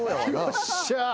よっしゃ。